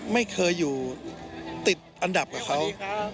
ไม่เคยอยู่ติดอันดับกับเขา